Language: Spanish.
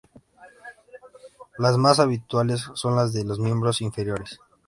Las más habituales son las de los miembros inferiores.